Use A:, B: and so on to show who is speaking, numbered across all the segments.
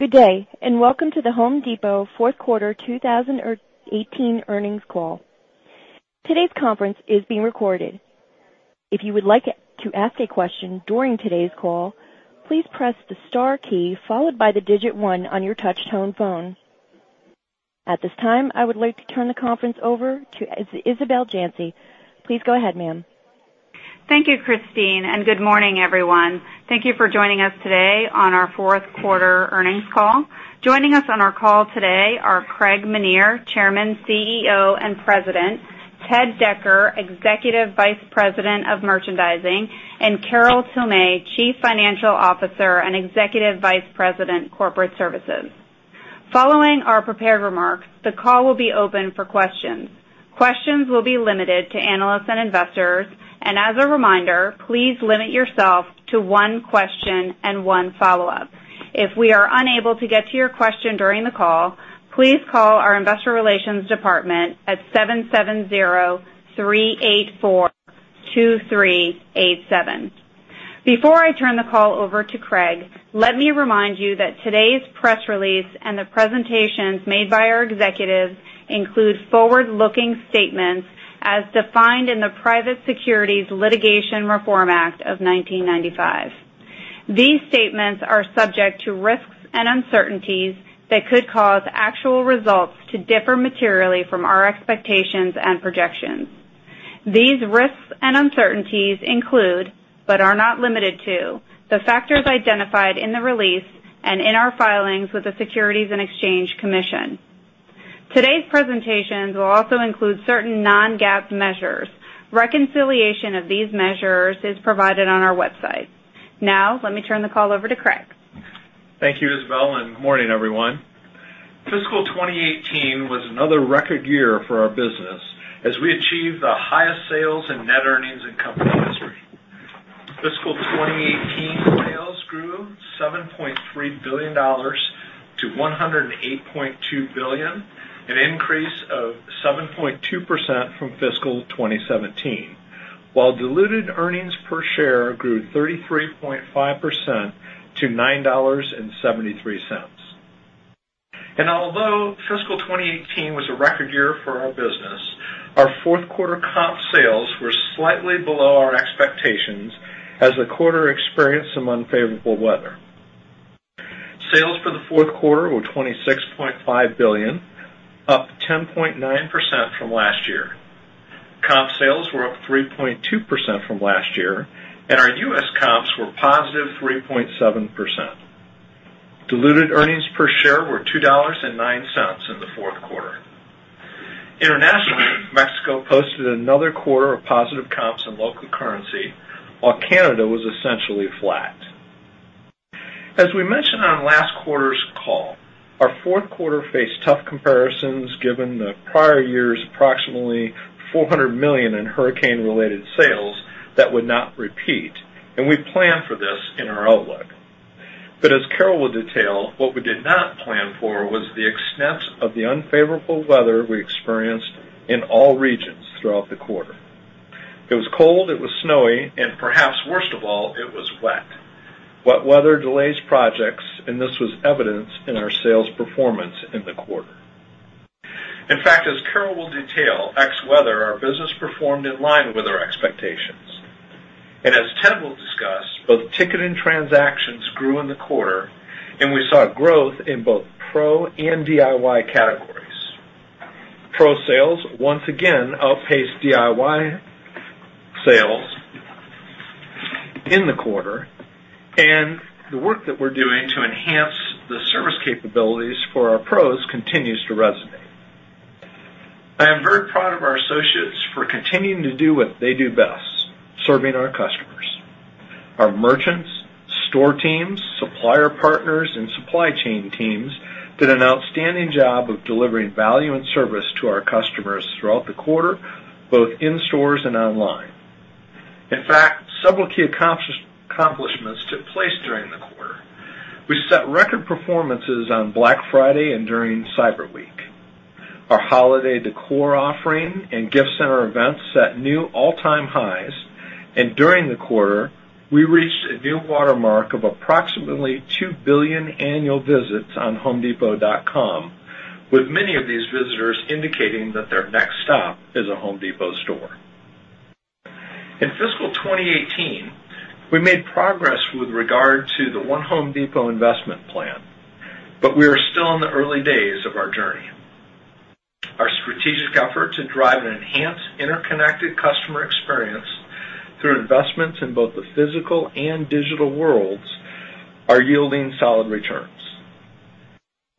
A: Good day. Welcome to The Home Depot fourth quarter 2018 earnings call. Today's conference is being recorded. If you would like to ask a question during today's call, please press the star key, followed by the digit 1 on your touch-tone phone. At this time, I would like to turn the conference over to Isabel Janci. Please go ahead, ma'am.
B: Thank you, Christine. Good morning, everyone. Thank you for joining us today on our fourth quarter earnings call. Joining us on our call today are Craig Menear, Chairman, CEO, and President, Ted Decker, Executive Vice President of Merchandising, and Carol Tomé, Chief Financial Officer and Executive Vice President, Corporate Services. Following our prepared remarks, the call will be open for questions. Questions will be limited to analysts and investors. As a reminder, please limit yourself to one question and one follow-up. If we are unable to get to your question during the call, please call our investor relations department at 770-384-2387. Before I turn the call over to Craig, let me remind you that today's press release and the presentations made by our executives include forward-looking statements as defined in the Private Securities Litigation Reform Act of 1995. These statements are subject to risks and uncertainties that could cause actual results to differ materially from our expectations and projections. These risks and uncertainties include, but are not limited to, the factors identified in the release and in our filings with the Securities and Exchange Commission. Today's presentations will also include certain non-GAAP measures. Reconciliation of these measures is provided on our website. Let me turn the call over to Craig.
C: Thank you, Isabele. Good morning, everyone. Fiscal 2018 was another record year for our business as we achieved the highest sales and net earnings in company history. Fiscal 2018 sales grew $7.3 billion to $108.2 billion, an increase of 7.2% from fiscal 2017. While diluted earnings per share grew 33.5% to $9.73. Although fiscal 2018 was a record year for our business, our fourth quarter comp sales were slightly below our expectations as the quarter experienced some unfavorable weather. Sales for the fourth quarter were $26.5 billion, up 10.9% from last year. Comp sales were up 3.2% from last year, and our U.S. comps were positive 3.7%. Diluted earnings per share were $2.09 in the fourth quarter. Internationally, Mexico posted another quarter of positive comps in local currency, while Canada was essentially flat. As we mentioned on last quarter's call, our fourth quarter faced tough comparisons given the prior year's approximately $400 million in hurricane-related sales that would not repeat, and we planned for this in our outlook. As Carol will detail, what we did not plan for was the extent of the unfavorable weather we experienced in all regions throughout the quarter. It was cold, it was snowy, and perhaps worst of all, it was wet. Wet weather delays projects, and this was evidenced in our sales performance in the quarter. In fact, as Carol will detail, ex weather, our business performed in line with our expectations. As Ted will discuss, both ticket and transactions grew in the quarter, and we saw growth in both Pro and DIY categories. Pro sales, once again, outpaced DIY sales in the quarter, and the work that we're doing to enhance the service capabilities for our Pros continues to resonate. I am very proud of our associates for continuing to do what they do best, serving our customers. Our merchants, store teams, supplier partners, and supply chain teams did an outstanding job of delivering value and service to our customers throughout the quarter, both in stores and online. In fact, several key accomplishments took place during the quarter. We set record performances on Black Friday and during Cyber Week. Our holiday decor offering and gift center events set new all-time highs. During the quarter, we reached a new watermark of approximately 2 billion annual visits on homedepot.com, with many of these visitors indicating that their next stop is a Home Depot store. In fiscal 2018, we made progress with regard to the One Home Depot investment plan. We are still in the early days of our journey. Our strategic effort to drive an enhanced, interconnected customer experience through investments in both the physical and digital worlds are yielding solid returns.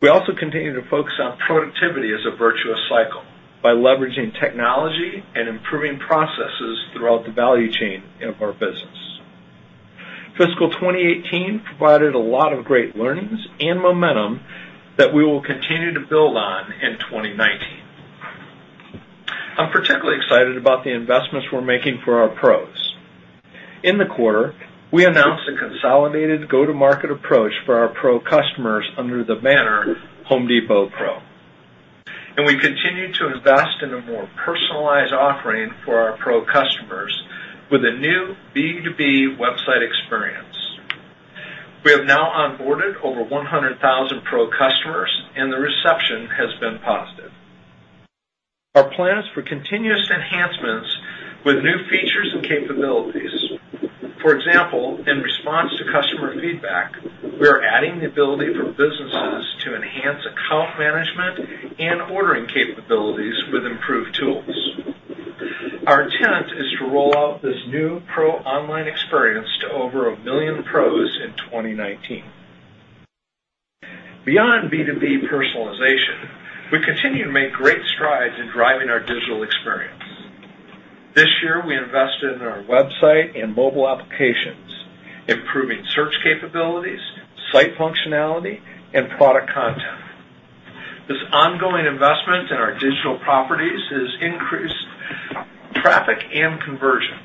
C: We also continue to focus on productivity as a virtuous cycle by leveraging technology and improving processes throughout the value chain of our business. Fiscal 2018 provided a lot of great learnings and momentum that we will continue to build on in 2019. I'm particularly excited about the investments we're making for our Pros. In the quarter, we announced a consolidated go-to-market approach for our Pro customers under the banner Home Depot Pro. We continue to invest in a more personalized offering for our Pro customers with a new B2B website experience. We have now onboarded over 100,000 Pro customers, and the reception has been positive. Our plan is for continuous enhancements with new features and capabilities. For example, in response to customer feedback, we are adding the ability for businesses to enhance account management and ordering capabilities with improved tools. Our intent is to roll out this new Pro online experience to over 1 million Pros in 2019. Beyond B2B personalization, we continue to make great strides in driving our digital experience. This year, we invested in our website and mobile applications, improving search capabilities, site functionality, and product content. This ongoing investment in our digital properties has increased traffic and conversion.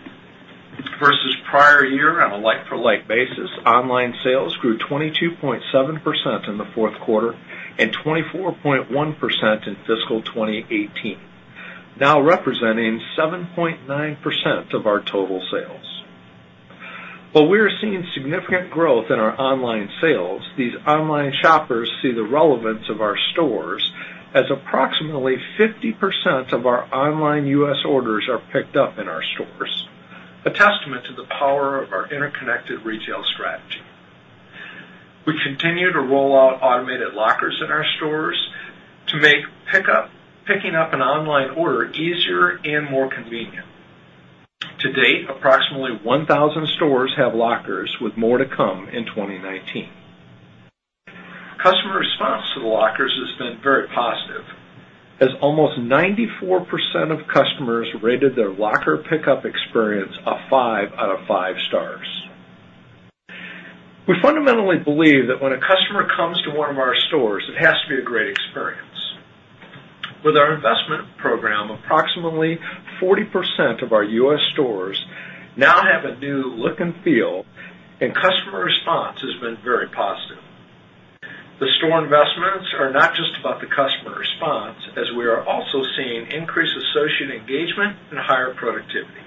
C: Versus prior year on a like-for-like basis, online sales grew 22.7% in the fourth quarter and 24.1% in fiscal 2018, now representing 7.9% of our total sales. While we're seeing significant growth in our online sales, these online shoppers see the relevance of our stores, as approximately 50% of our online U.S. orders are picked up in our stores, a testament to the power of our interconnected retail strategy. We continue to roll out automated lockers in our stores to make picking up an online order easier and more convenient. To date, approximately 1,000 stores have lockers, with more to come in 2019. Customer response to the lockers has been very positive, as almost 94% of customers rated their locker pickup experience a five out of five stars. We fundamentally believe that when a customer comes to one of our stores, it has to be a great experience. With our investment program, approximately 40% of our U.S. stores now have a new look and feel, and customer response has been very positive. The store investments are not just about the customer response, as we are also seeing increased associate engagement and higher productivity.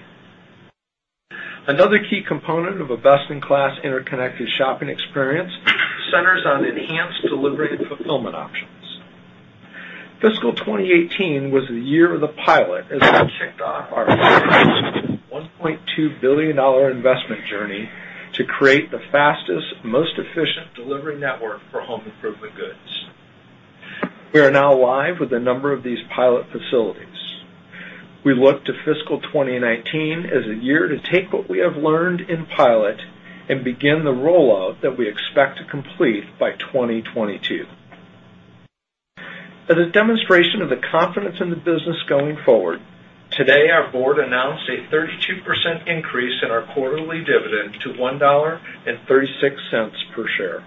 C: Another key component of a best-in-class interconnected shopping experience centers on enhanced delivery and fulfillment options. Fiscal 2018 was the year of the pilot, as we kicked off our $1.2 billion investment journey to create the fastest, most efficient delivery network for home improvement goods. We are now live with a number of these pilot facilities. We look to fiscal 2019 as a year to take what we have learned in pilot and begin the rollout that we expect to complete by 2022. As a demonstration of the confidence in the business going forward, today our board announced a 32% increase in our quarterly dividend to $1.36 per share.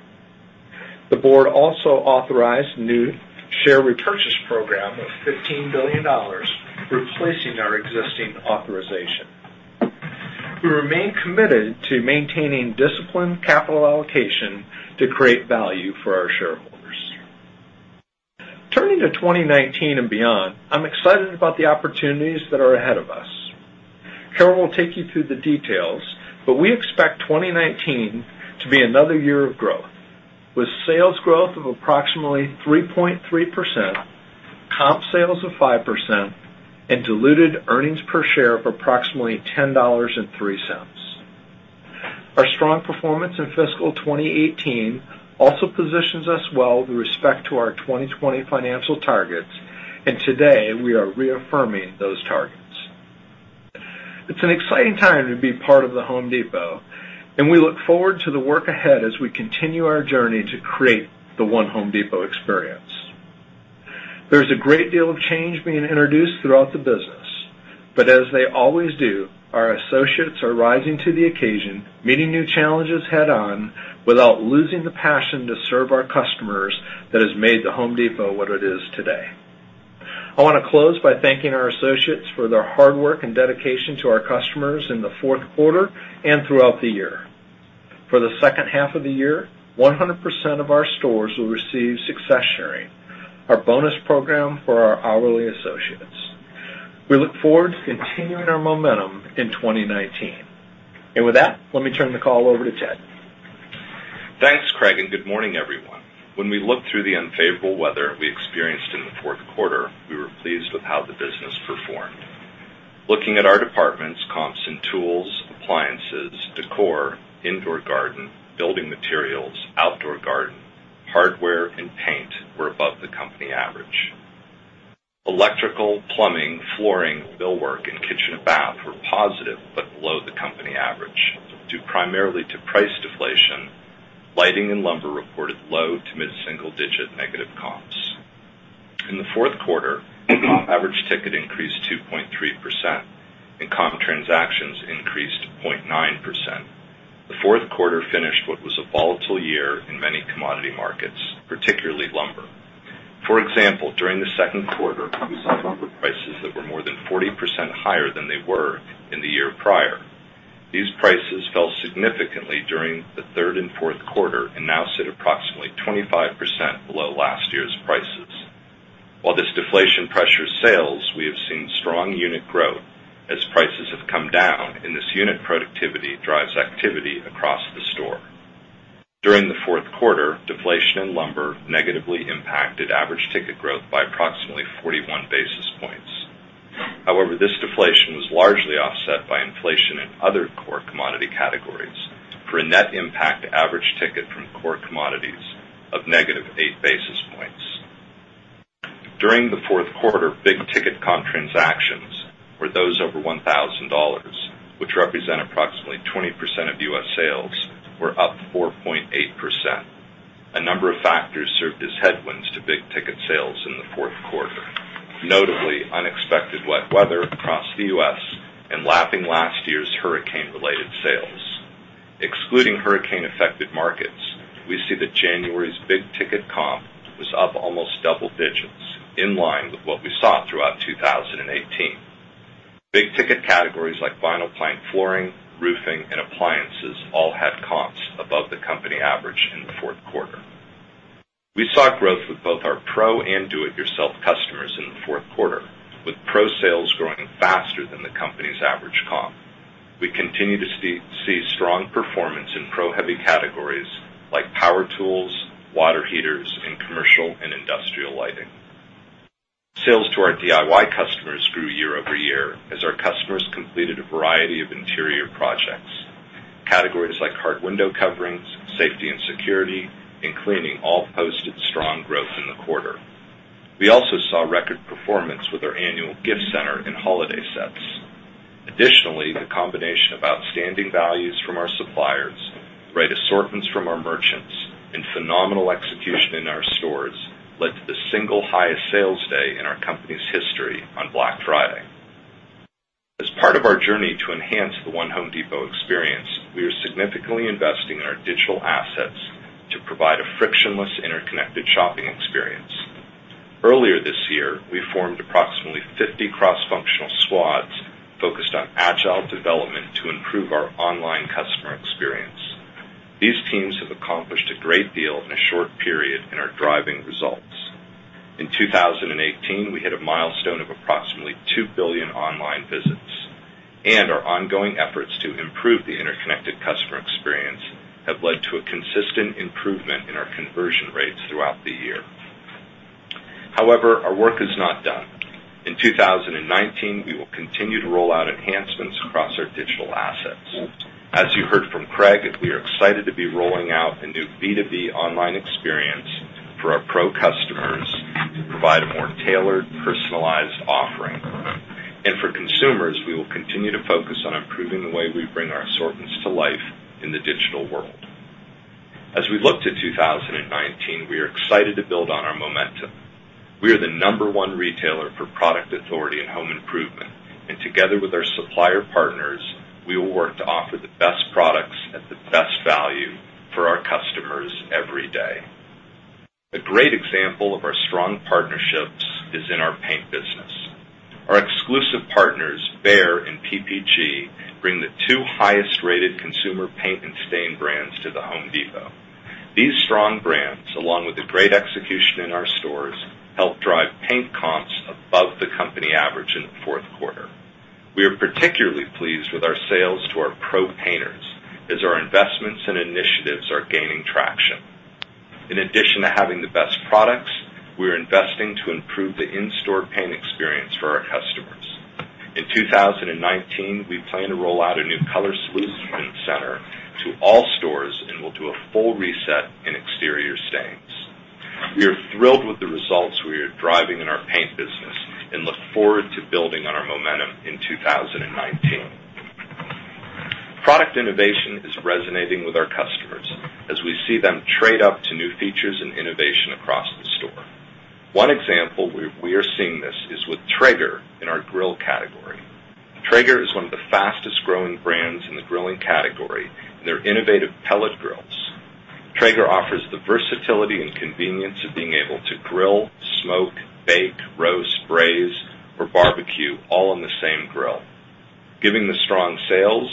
C: The board also authorized a new share repurchase program of $15 billion, replacing our existing authorization. We remain committed to maintaining disciplined capital allocation to create value for our shareholders. Turning to 2019 and beyond, I'm excited about the opportunities that are ahead of us. Carol will take you through the details, but we expect 2019 to be another year of growth, with sales growth of approximately 3.3%, comp sales of 5%, and diluted earnings per share of approximately $10.03. Our strong performance in fiscal 2018 also positions us well with respect to our 2020 financial targets, and today we are reaffirming those targets. It's an exciting time to be part of The Home Depot, and we look forward to the work ahead as we continue our journey to create the One Home Depot experience. There is a great deal of change being introduced throughout the business, but as they always do, our associates are rising to the occasion, meeting new challenges head-on, without losing the passion to serve our customers that has made The Home Depot what it is today. I want to close by thanking our associates for their hard work and dedication to our customers in the fourth quarter and throughout the year. For the second half of the year, 100% of our stores will receive Success Sharing, our bonus program for our hourly associates. We look forward to continuing our momentum in 2019. With that, let me turn the call over to Ted.
D: Thanks, Craig, and good morning, everyone. When we look through the unfavorable weather we experienced in the fourth quarter, we were pleased with how the business performed. Looking at our departments, comps in tools, appliances, decor, indoor garden, building materials, outdoor garden, hardware, and paint were above the company average. Electrical, plumbing, flooring, millwork, and kitchen and bath were positive but below the company average. Due primarily to price deflation, lighting and lumber reported low to mid-single digit negative comps. In the fourth quarter, comp average ticket increased 2.3%, and comp transactions increased 0.9%. The fourth quarter finished what was a volatile year in many commodity markets, particularly lumber. For example, during the second quarter 40% higher than they were in the year prior. These prices fell significantly during the third and fourth quarter, and now sit approximately 25% below last year's prices. While this deflation pressures sales, we have seen strong unit growth as prices have come down, and this unit productivity drives activity across the store. During the fourth quarter, deflation in lumber negatively impacted average ticket growth by approximately 41 basis points. However, this deflation was largely offset by inflation in other core commodity categories for a net impact average ticket from core commodities of negative eight basis points. During the fourth quarter, big ticket comp transactions were those over $1,000, which represent approximately 20% of U.S. sales, were up 4.8%. A number of factors served as headwinds to big ticket sales in the fourth quarter, notably unexpected wet weather across the U.S. and lapping last year's hurricane-related sales. Excluding hurricane-affected markets, we see that January's big ticket comp was up almost double digits, in line with what we saw throughout 2018. Big ticket categories like vinyl plank flooring, roofing, and appliances all had comps above the company average in the fourth quarter. We saw growth with both our pro and do-it-yourself customers in the fourth quarter, with pro sales growing faster than the company's average comp. We continue to see strong performance in pro-heavy categories like power tools, water heaters, and commercial and industrial lighting. Sales to our DIY customers grew year-over-year as our customers completed a variety of interior projects. Categories like hard window coverings, safety and security, and cleaning all posted strong growth in the quarter. We also saw record performance with our annual gift center and holiday sets. Additionally, the combination of outstanding values from our suppliers, great assortments from our merchants, and phenomenal execution in our stores led to the single highest sales day in our company's history on Black Friday. As part of our journey to enhance the One Home Depot experience, we are significantly investing in our digital assets to provide a frictionless, interconnected shopping experience. Earlier this year, we formed approximately 50 cross-functional squads focused on agile development to improve our online customer experience. These teams have accomplished a great deal in a short period and are driving results. In 2018, we hit a milestone of approximately 2 billion online visits, and our ongoing efforts to improve the interconnected customer experience have led to a consistent improvement in our conversion rates throughout the year. However, our work is not done. In 2019, we will continue to roll out enhancements across our digital assets. As you heard from Craig, we are excited to be rolling out a new B2B online experience for our pro customers to provide a more tailored, personalized offering. For consumers, we will continue to focus on improving the way we bring our assortments to life in the digital world. As we look to 2019, we are excited to build on our momentum. We are the number one retailer for product authority and home improvement, and together with our supplier partners, we will work to offer the best products at the best value for our customers every day. A great example of our strong partnerships is in our paint business. Our exclusive partners, Behr and PPG, bring the two highest-rated consumer paint and stain brands to The Home Depot. These strong brands, along with the great execution in our stores, help drive paint comps above the company average in the fourth quarter. We are particularly pleased with our sales to our pro painters as our investments and initiatives are gaining traction. In addition to having the best products, we are investing to improve the in-store paint experience for our customers. In 2019, we plan to roll out a new color solution center to all stores, and we'll do a full reset in exterior stains. We are thrilled with the results we are driving in our paint business and look forward to building on our momentum in 2019. Product innovation is resonating with our customers as we see them trade up to new features and innovation across the store. One example where we are seeing this is with Traeger in our grill category. Traeger is one of the fastest-growing brands in the grilling category and their innovative pellet grills. Traeger offers the versatility and convenience of being able to grill, smoke, bake, roast, braise, or barbecue all on the same grill. Given the strong sales,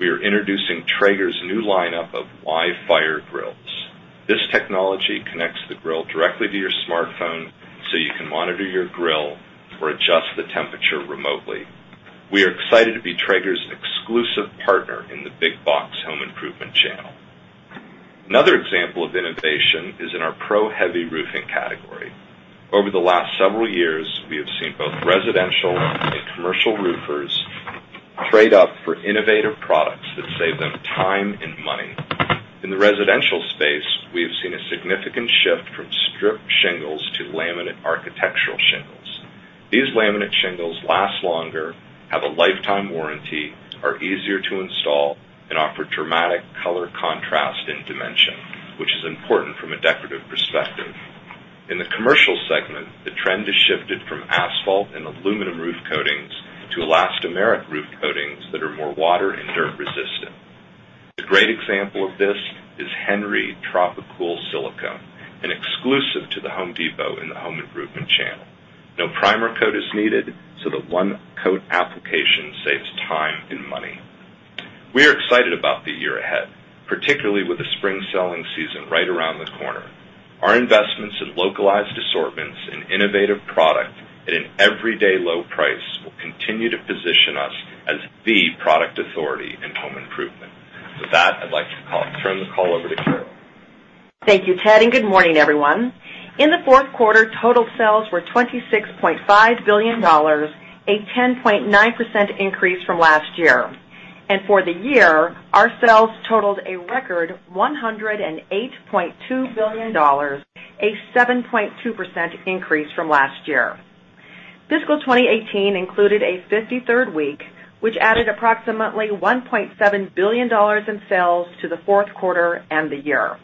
D: we are introducing Traeger's new lineup of WiFIRE grills. This technology connects the grill directly to your smartphone so you can monitor your grill or adjust the temperature remotely. We are excited to be Traeger's exclusive partner in the big box home improvement channel. Another example of innovation is in our pro-heavy roofing category. Over the last several years, we have seen both residential and commercial roofers trade up for innovative products that save them time and money. In the residential space, we have seen a significant shift from strip shingles to laminate architectural shingles. These laminate shingles last longer, have a lifetime warranty, are easier to install, and offer dramatic color contrast and dimension, which is important from a decorative perspective. In the commercial segment, the trend has shifted from asphalt and aluminum roof coatings to elastomeric roof coatings that are more water and dirt resistant. A great example of this is Henry Tropi-Cool Silicone, an exclusive to The Home Depot in the home improvement channel. No primer coat is needed, so the one-coat application saves time and money. We are excited about the year ahead, particularly with the spring selling season right around the corner. Our investments in localized assortments and innovative product at an everyday low price will continue to position us as the product authority in home improvement. I'd like to turn the call over to Carol.
E: Thank you, Ted, good morning, everyone. In the fourth quarter, total sales were $26.5 billion, a 10.9% increase from last year. For the year, our sales totaled a record $108.2 billion, a 7.2% increase from last year. Fiscal 2018 included a 53rd week, which added approximately $1.7 billion in sales to the fourth quarter and the year.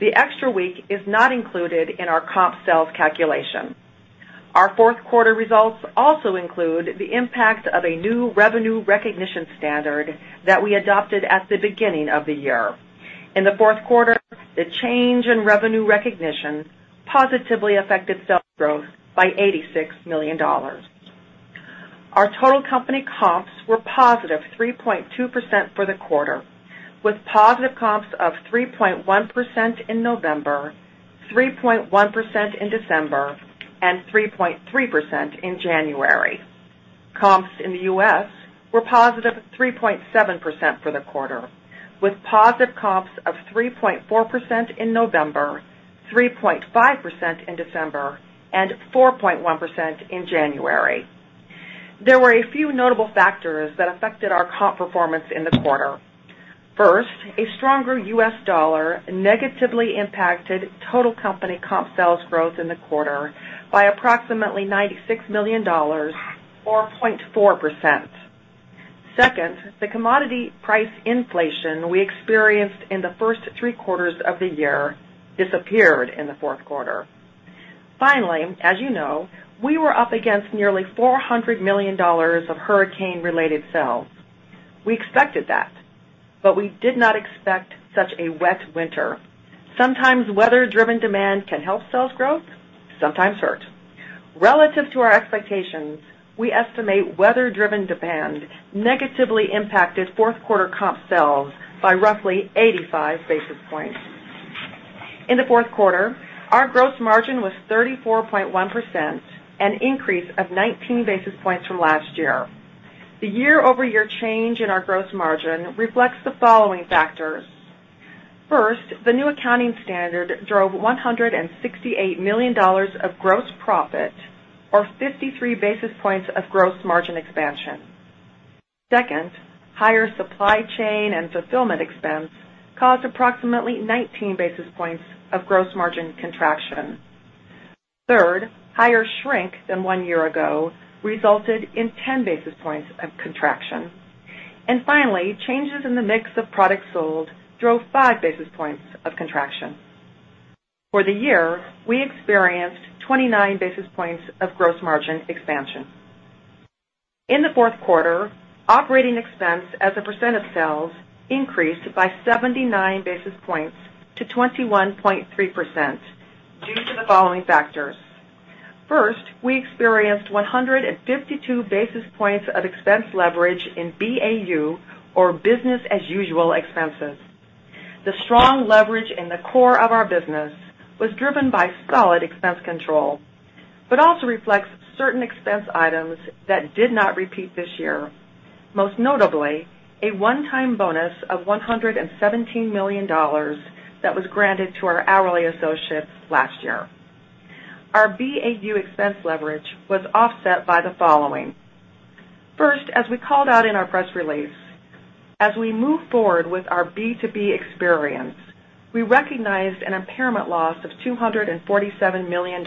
E: The extra week is not included in our comp sales calculation. Our fourth quarter results also include the impact of a new revenue recognition standard that we adopted at the beginning of the year. In the fourth quarter, the change in revenue recognition positively affected sales growth by $86 million. Our total company comps were positive 3.2% for the quarter, with positive comps of 3.1% in November, 3.1% in December, 3.3% in January. Comps in the U.S. were positive 3.7% for the quarter, with positive comps of 3.4% in November, 3.5% in December, 4.1% in January. There were a few notable factors that affected our comp performance in the quarter. First, a stronger U.S. dollar negatively impacted total company comp sales growth in the quarter by approximately $96 million, or 0.4%. Second, the commodity price inflation we experienced in the first three quarters of the year disappeared in the fourth quarter. Finally, as you know, we were up against nearly $400 million of hurricane-related sales. We expected that, we did not expect such a wet winter. Sometimes, weather-driven demand can help sales growth, sometimes hurt. Relative to our expectations, we estimate weather-driven demand negatively impacted fourth quarter comp sales by roughly 85 basis points. In the fourth quarter, our gross margin was 34.1%, an increase of 19 basis points from last year. The year-over-year change in our gross margin reflects the following factors. First, the new accounting standard drove $168 million of gross profit, or 53 basis points of gross margin expansion. Second, higher supply chain and fulfillment expense caused approximately 19 basis points of gross margin contraction. Third, higher shrink than one year ago resulted in 10 basis points of contraction. Finally, changes in the mix of products sold drove five basis points of contraction. For the year, we experienced 29 basis points of gross margin expansion. In the fourth quarter, operating expense as a percent of sales increased by 79 basis points to 21.3% due to the following factors. First, we experienced 152 basis points of expense leverage in BAU, or business as usual expenses. The strong leverage in the core of our business was driven by solid expense control, also reflects certain expense items that did not repeat this year, most notably a one-time bonus of $117 million that was granted to our hourly associates last year. Our BAU expense leverage was offset by the following. First, as we called out in our press release, as we move forward with our B2B experience, we recognized an impairment loss of $247 million,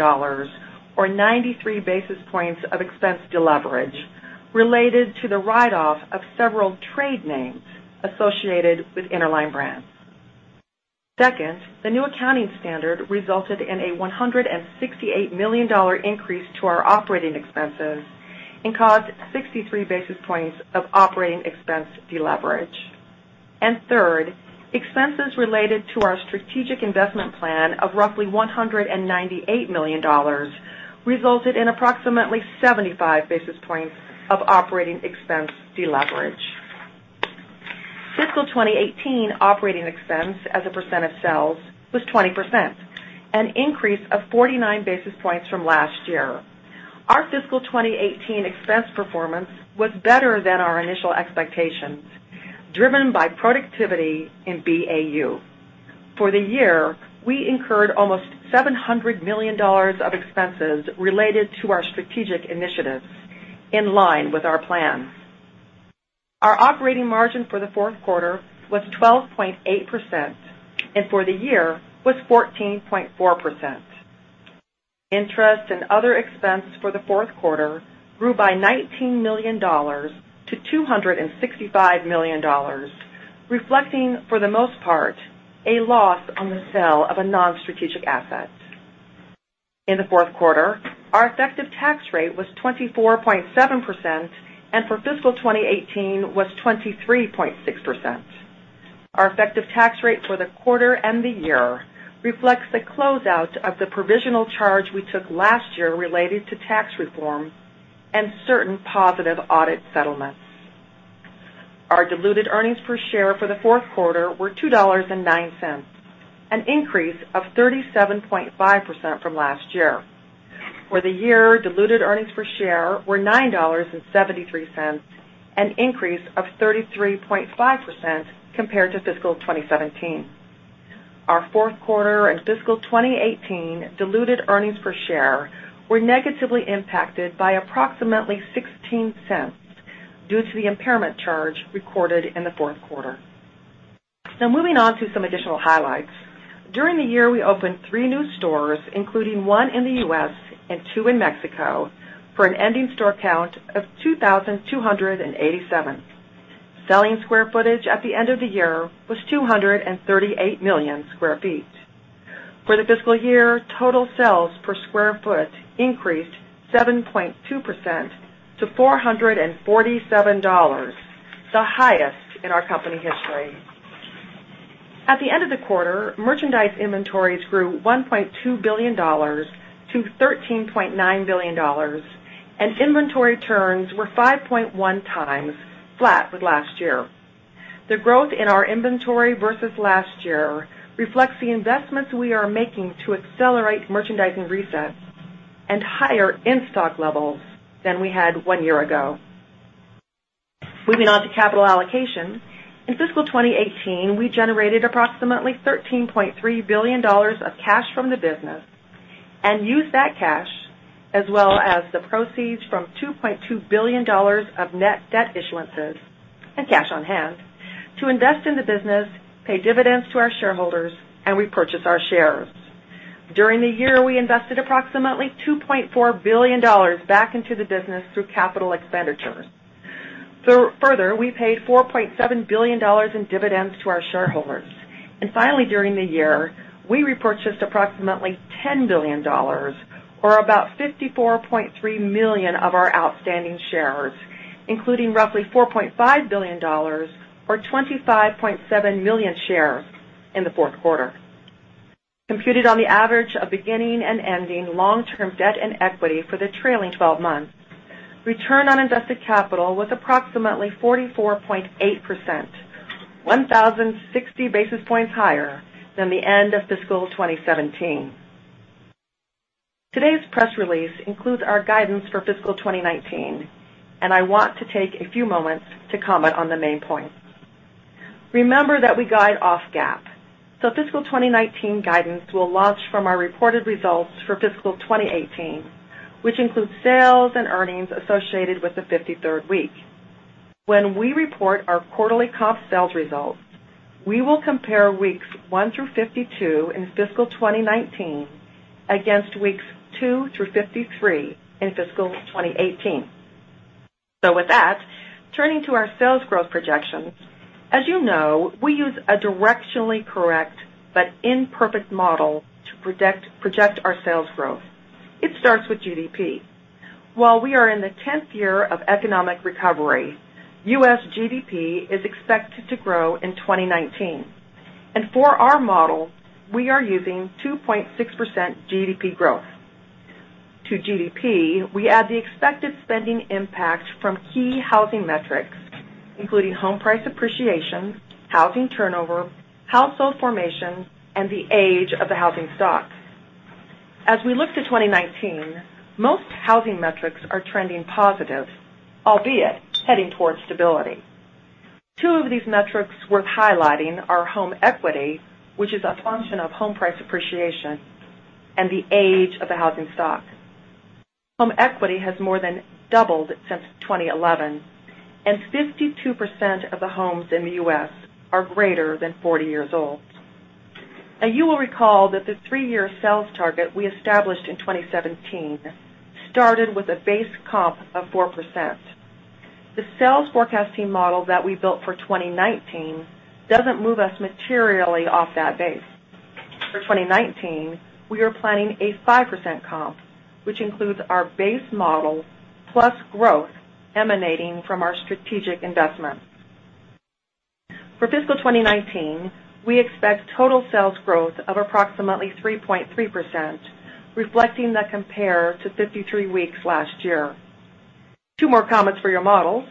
E: or 93 basis points of expense deleverage related to the write-off of several trade names associated with Interline Brands. Second, the new accounting standard resulted in a $168 million increase to our operating expenses, caused 63 basis points of operating expense deleverage. Third, expenses related to our strategic investment plan of roughly $198 million resulted in approximately 75 basis points of operating expense deleverage. Fiscal 2018 operating expense as a percent of sales was 20%, an increase of 49 basis points from last year. Our fiscal 2018 expense performance was better than our initial expectations, driven by productivity in BAU. For the year, we incurred almost $700 million of expenses related to our strategic initiatives, in line with our plans. Our operating margin for the fourth quarter was 12.8%, and for the year was 14.4%. Interest and other expense for the fourth quarter grew by $19 million to $265 million, reflecting, for the most part, a loss on the sale of a non-strategic asset. In the fourth quarter, our effective tax rate was 24.7%, and for fiscal 2018 was 23.6%. Our effective tax rate for the quarter and the year reflects the closeout of the provisional charge we took last year related to tax reform and certain positive audit settlements. Our diluted earnings per share for the fourth quarter were $2.09, an increase of 37.5% from last year. For the year, diluted earnings per share were $9.73, an increase of 33.5% compared to fiscal 2017. Our fourth quarter and fiscal 2018 diluted earnings per share were negatively impacted by approximately $0.16 due to the impairment charge recorded in the fourth quarter. Moving on to some additional highlights. During the year, we opened three new stores, including one in the U.S. and two in Mexico, for an ending store count of 2,287. Selling square footage at the end of the year was 238 million square feet. For the fiscal year, total sales per square foot increased 7.2% to $447, the highest in our company history. At the end of the quarter, merchandise inventories grew $1.2 billion to $13.9 billion, and inventory turns were 5.1 times, flat with last year. The growth in our inventory versus last year reflects the investments we are making to accelerate merchandising resets and higher in-stock levels than we had one year ago. Moving on to capital allocation. In fiscal 2018, we generated approximately $13.3 billion of cash from the business and used that cash, as well as the proceeds from $2.2 billion of net debt issuances and cash on hand to invest in the business, pay dividends to our shareholders, and repurchase our shares. During the year, we invested approximately $2.4 billion back into the business through capital expenditures. Further, we paid $4.7 billion in dividends to our shareholders. Finally, during the year, we repurchased approximately $10 billion, or about 54.3 million of our outstanding shares, including roughly $4.5 billion or 25.7 million shares in the fourth quarter. Computed on the average of beginning and ending long-term debt and equity for the trailing 12 months, return on invested capital was approximately 44.8%, 1,060 basis points higher than the end of fiscal 2017. Today's press release includes our guidance for fiscal 2019. I want to take a few moments to comment on the main points. Remember that we guide off GAAP, so fiscal 2019 guidance will launch from our reported results for fiscal 2018, which includes sales and earnings associated with the 53rd week. When we report our quarterly comp sales results, we will compare weeks one through 52 in fiscal 2019 against weeks two through 53 in fiscal 2018. With that, turning to our sales growth projections. As you know, we use a directionally correct but imperfect model to project our sales growth. It starts with GDP. While we are in the tenth year of economic recovery, U.S. GDP is expected to grow in 2019. For our model, we are using 2.6% GDP growth. To GDP, we add the expected spending impact from key housing metrics, including home price appreciation, housing turnover, household formation, and the age of the housing stock. As we look to 2019, most housing metrics are trending positive, albeit heading towards stability. Two of these metrics worth highlighting are home equity, which is a function of home price appreciation, and the age of the housing stock. Home equity has more than doubled since 2011, and 52% of the homes in the U.S. are greater than 40 years old. You will recall that the three-year sales target we established in 2017 started with a base comp of 4%. The sales forecasting model that we built for 2019 doesn't move us materially off that base. For 2019, we are planning a 5% comp, which includes our base model plus growth emanating from our strategic investments. For fiscal 2019, we expect total sales growth of approximately 3.3%, reflecting the compare to 53 weeks last year. Two more comments for your models.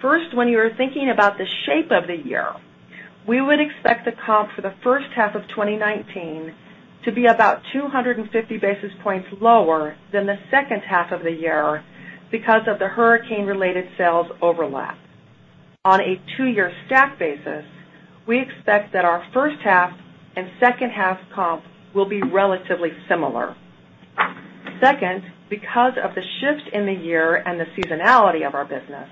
E: First, when you are thinking about the shape of the year, we would expect the comp for the first half of 2019 to be about 250 basis points lower than the second half of the year because of the hurricane-related sales overlap. On a two-year stack basis, we expect that our first half and second half comp will be relatively similar. Second, because of the shift in the year and the seasonality of our business,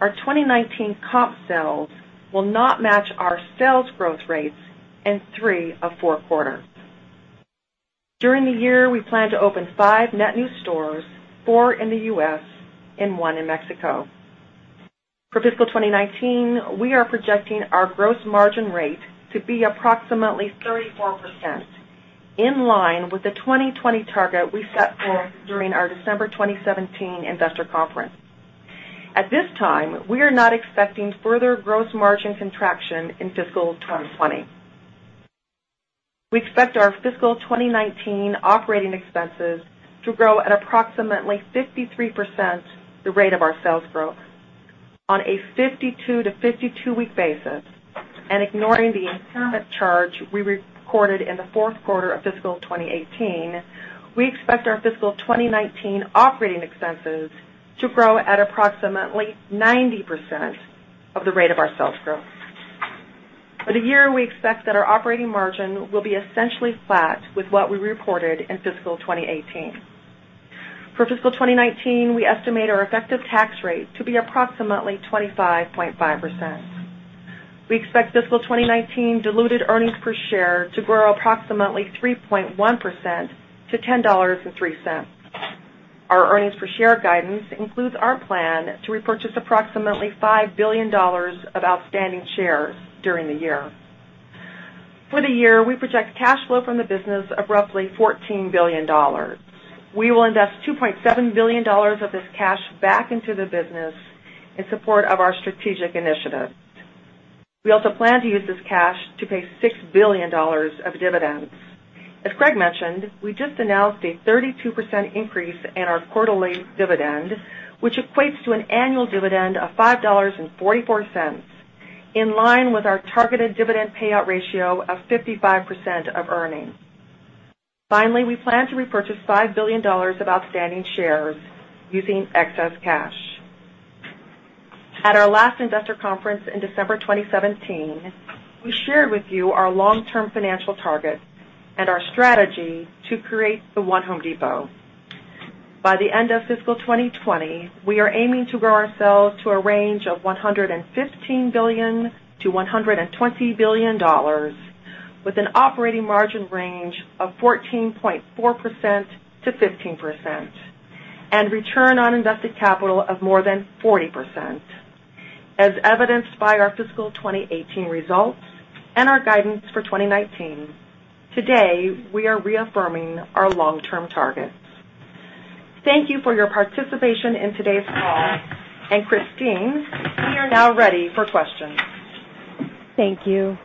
E: our 2019 comp sales will not match our sales growth rates in three of four quarters. During the year, we plan to open five net new stores, four in the U.S. and one in Mexico. For fiscal 2019, we are projecting our gross margin rate to be approximately 34%, in line with the 2020 target we set forth during our December 2017 investor conference. At this time, we are not expecting further gross margin contraction in fiscal 2020. We expect our fiscal 2019 operating expenses to grow at approximately 53% the rate of our sales growth. On a 52 to 52-week basis, and ignoring the impairment charge we recorded in the fourth quarter of fiscal 2018, we expect our fiscal 2019 operating expenses to grow at approximately 90% of the rate of our sales growth. For the year, we expect that our operating margin will be essentially flat with what we reported in fiscal 2018. For fiscal 2019, we estimate our effective tax rate to be approximately 25.5%. We expect fiscal 2019 diluted earnings per share to grow approximately 3.1% to $10.03. Our earnings per share guidance includes our plan to repurchase approximately $5 billion of outstanding shares during the year. For the year, we project cash flow from the business of roughly $14 billion. We will invest $2.7 billion of this cash back into the business in support of our strategic initiatives. We also plan to use this cash to pay $6 billion of dividends. As Craig mentioned, we just announced a 32% increase in our quarterly dividend, which equates to an annual dividend of $5.44, in line with our targeted dividend payout ratio of 55% of earnings. We plan to repurchase $5 billion of outstanding shares using excess cash. At our last investor conference in December 2017, we shared with you our long-term financial targets and our strategy to create the One Home Depot. By the end of fiscal 2020, we are aiming to grow our sales to a range of $115 billion-$120 billion with an operating margin range of 14.4%-15% and return on invested capital of more than 40%, as evidenced by our fiscal 2018 results and our guidance for 2019. Today, we are reaffirming our long-term targets. Thank you for your participation in today's call. Christine, we are now ready for questions.
A: Thank you.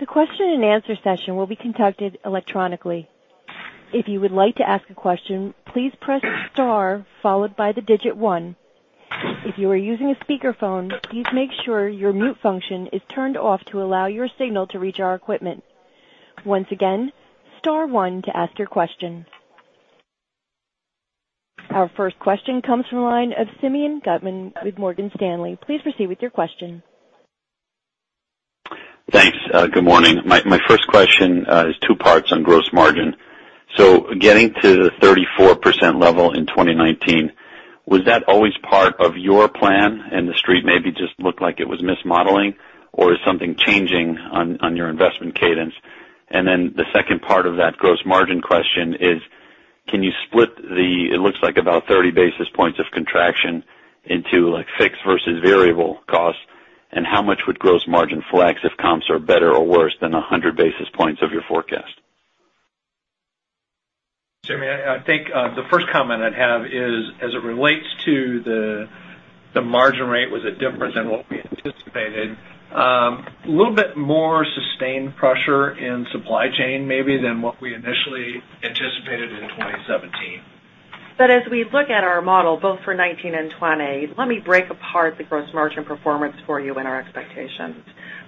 A: The question and answer session will be conducted electronically. If you would like to ask a question, please press star followed by the digit one. If you are using a speakerphone, please make sure your mute function is turned off to allow your signal to reach our equipment. Once again, star one to ask your question. Our first question comes from the line of Simeon Gutman with Morgan Stanley. Please proceed with your question.
F: Thanks. Good morning. My first question is two parts on gross margin. Getting to the 34% level in 2019, was that always part of your plan and the Street maybe just looked like it was mismodeling, or is something changing on your investment cadence? The second part of that gross margin question is, can you split the, it looks like about 30 basis points of contraction into fixed versus variable costs, and how much would gross margin flex if comps are better or worse than 100 basis points of your forecast?
C: Simeon, I think the first comment I'd have is as it relates to the margin rate, was it different than what we anticipated? A little bit more sustained pressure in supply chain maybe than what we initially anticipated in 2017.
E: As we look at our model both for 2019 and 2020, let me break apart the gross margin performance for you and our expectations.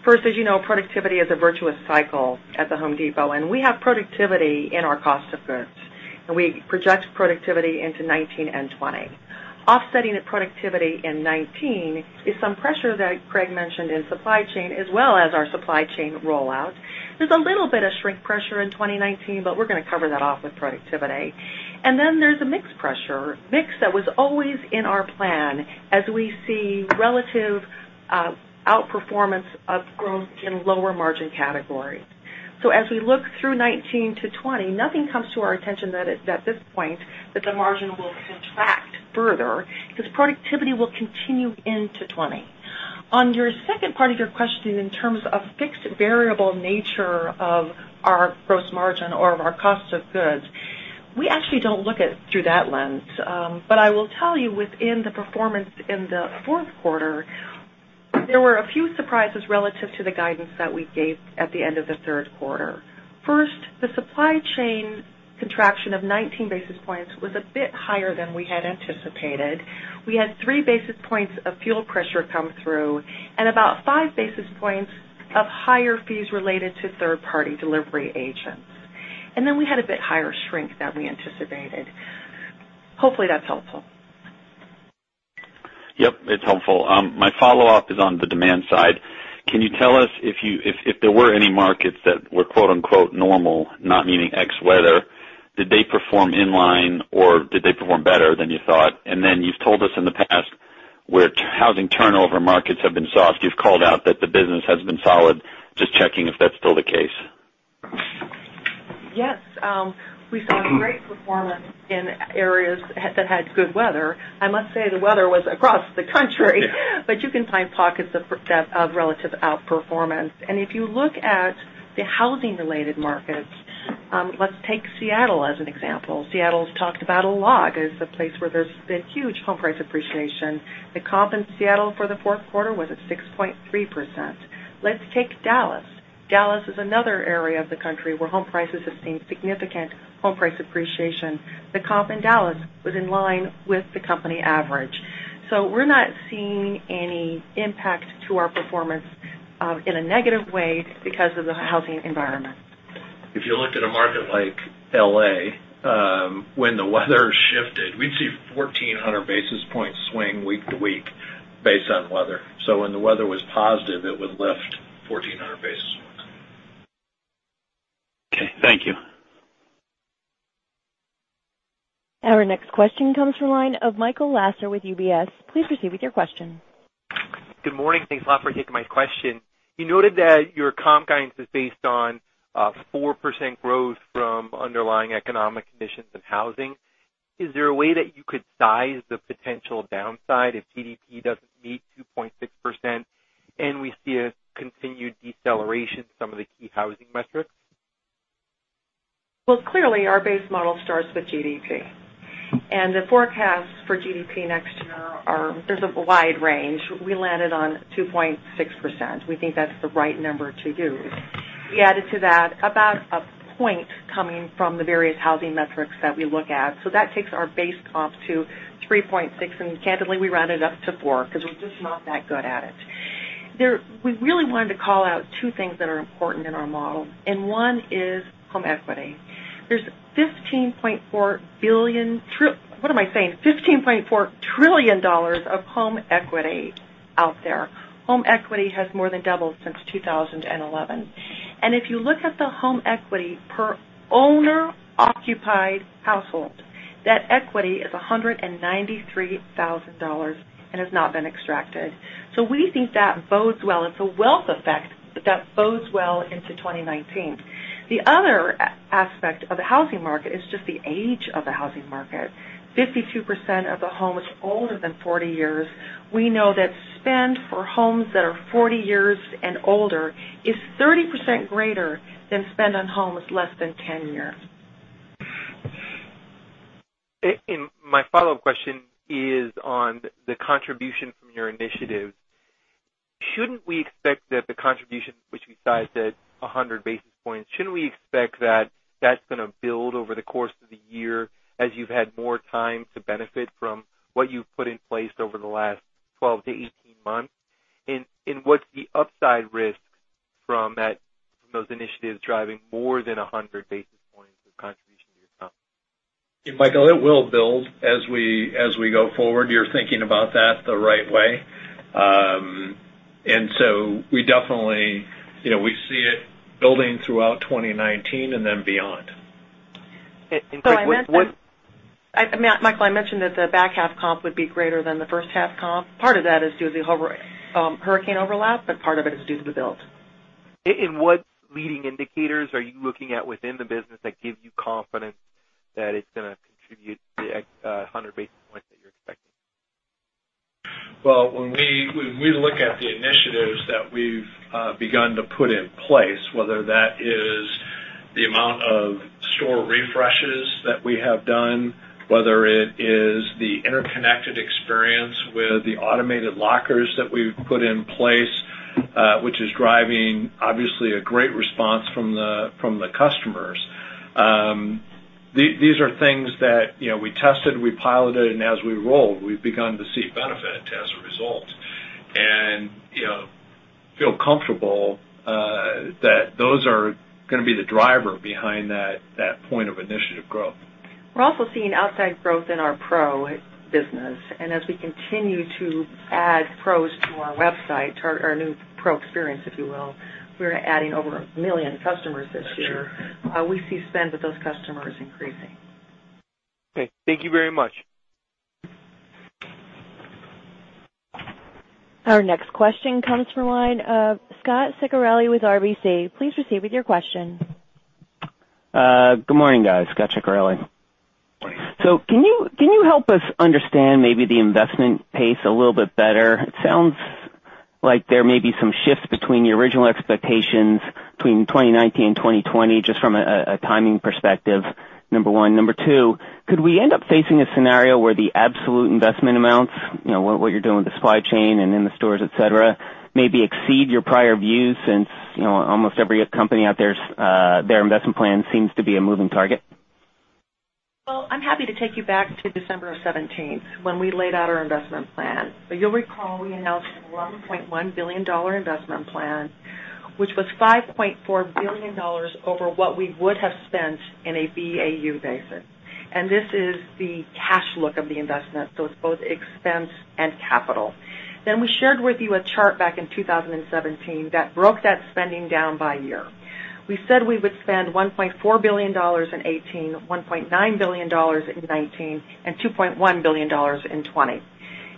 E: First, as you know, productivity is a virtuous cycle at The Home Depot. We have productivity in our cost of goods. We project productivity into 2019 and 2020. Offsetting that productivity in 2019 is some pressure that Craig mentioned in supply chain, as well as our supply chain rollout. There's a little bit of shrink pressure in 2019, but we're going to cover that off with productivity. There's a mix pressure, mix that was always in our plan as we see relative outperformance of growth in lower margin categories. As we look through 2019 to 2020, nothing comes to our attention that at this point that the margin will contract further because productivity will continue into 2020. On your second part of your question in terms of fixed variable nature of our gross margin or of our cost of goods, we actually don't look at it through that lens. I will tell you within the performance in the fourth quarter, there were a few surprises relative to the guidance that we gave at the end of the third quarter. First, the supply chain contraction of 19 basis points was a bit higher than we had anticipated. We had three basis points of fuel pressure come through and about five basis points of higher fees related to third-party delivery agents. We had a bit higher shrink than we anticipated. Hopefully, that's helpful.
F: Yep, it's helpful. My follow-up is on the demand side. Can you tell us if there were any markets that were "normal," not meaning X weather, did they perform in line or did they perform better than you thought? You've told us in the past where housing turnover markets have been soft, you've called out that the business has been solid. Just checking if that's still the case.
E: Yes. We saw great performance in areas that had good weather. I must say, the weather was across the country, but you can find pockets of relative outperformance. If you look at the housing-related markets, let's take Seattle as an example. Seattle's talked about a lot as the place where there's been huge home price appreciation. The comp in Seattle for the fourth quarter was at 6.3%. Let's take Dallas. Dallas is another area of the country where home prices have seen significant home price appreciation. The comp in Dallas was in line with the company average. We're not seeing any impact to our performance in a negative way because of the housing environment.
C: If you looked at a market like L.A., when the weather shifted, we'd see 1,400 basis points swing week to week based on weather. When the weather was positive, it would lift 1,400 basis points.
F: Okay, thank you.
A: Our next question comes from the line of Michael Lasser with UBS. Please proceed with your question.
G: Good morning. Thanks a lot for taking my question. You noted that your comp guidance is based on 4% growth from underlying economic conditions and housing. Is there a way that you could size the potential downside if GDP doesn't meet 2.6% and we see a continued deceleration in some of the key housing metrics?
E: Clearly, our base model starts with GDP. The forecasts for GDP next year are, there's a wide range. We landed on 2.6%. We think that's the right number to use. We added to that about one point coming from the various housing metrics that we look at. That takes our base comp to 3.6%, and candidly, we rounded up to 4% because we're just not that good at it. We really wanted to call out two things that are important in our model. One is home equity. There's $15.4 trillion of home equity out there. Home equity has more than doubled since 2011. If you look at the home equity per owner-occupied household, that equity is $193,000 and has not been extracted. We think that bodes well. It's a wealth effect, but that bodes well into 2019. The other aspect of the housing market is just the age of the housing market. 52% of the home is older than 40 years. We know that spend for homes that are 40 years and older is 30% greater than spend on homes less than 10 years.
G: My follow-up question is on the contribution from your initiatives. Shouldn't we expect that the contribution, which we sized at 100 basis points, shouldn't we expect that that's going to build over the course of the year as you've had more time to benefit from what you've put in place over the last 12 to 18 months? What's the upside risk from those initiatives driving more than 100 basis points of contribution to your comp?
C: Michael, it will build as we go forward. You're thinking about that the right way. We definitely see it building throughout 2019 and then beyond.
G: And what-
E: Michael, I mentioned that the back half comp would be greater than the first half comp. Part of that is due to the hurricane overlap, but part of it is due to the build.
G: What leading indicators are you looking at within the business that give you confidence that it's going to contribute the 100 basis points that you're expecting?
C: Well, when we look at the initiatives that we've begun to put in place, whether that is the amount of store refreshes that we have done, whether it is the interconnected experience with the automated lockers that we've put in place, which is driving obviously a great response from the customers. These are things that we tested, we piloted, and as we rolled, we've begun to see benefit as a result and feel comfortable that those are going to be the driver behind that point of initiative growth.
E: We're also seeing outsize growth in our Pro business. As we continue to add Pros to our website, to our new Pro Experience if you will, we're adding over 1 million customers this year.
C: That's true.
E: We see spend with those customers increasing.
G: Okay. Thank you very much.
A: Our next question comes from the line of Scot Ciccarelli with RBC. Please proceed with your question.
H: Good morning, guys. Scot Ciccarelli.
C: Morning.
H: Can you help us understand maybe the investment pace a little bit better? It sounds like there may be some shifts between your original expectations between 2019 and 2020, just from a timing perspective, number 1. Number 2, could we end up facing a scenario where the absolute investment amounts, what you're doing with the supply chain and in the stores, et cetera, maybe exceed your prior views since almost every company out there, their investment plan seems to be a moving target?
E: I'm happy to take you back to December of 2017 when we laid out our investment plan. You'll recall we announced an $11.1 billion investment plan, which was $5.4 billion over what we would have spent in a BAU basis. This is the cash look of the investment, so it's both expense and capital. We shared with you a chart back in 2017 that broke that spending down by year. We said we would spend $1.4 billion in 2018, $1.9 billion in 2019, and $2.1 billion in 2020.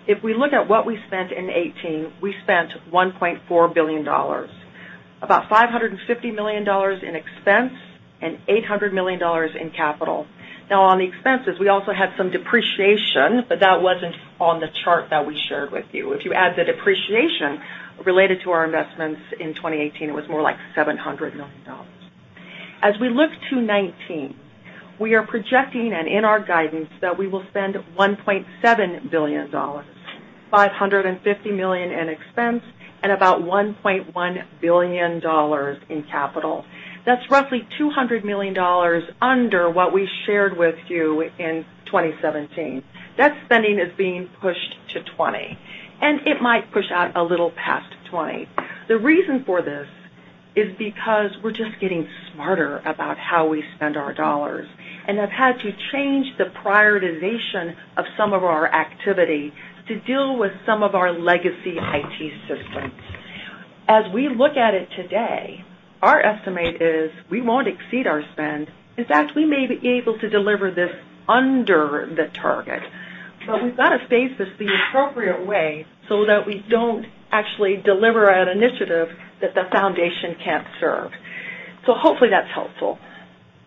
E: If we look at what we spent in 2018, we spent $1.4 billion. About $550 million in expense and $800 million in capital. On the expenses, we also had some depreciation, but that wasn't on the chart that we shared with you. If you add the depreciation related to our investments in 2018, it was more like $700 million. As we look to 2019, we are projecting, and in our guidance, that we will spend $1.7 billion, $550 million in expense, and about $1.1 billion in capital. That's roughly $200 million under what we shared with you in 2017. That spending is being pushed to 2020, and it might push out a little past 2020. The reason for this is because we're just getting smarter about how we spend our dollars, and have had to change the prioritization of some of our activity to deal with some of our legacy IT systems. As we look at it today, our estimate is we won't exceed our spend. In fact, we may be able to deliver this under the target. We've got to space this the appropriate way so that we don't actually deliver an initiative that the foundation can't serve. Hopefully that's helpful.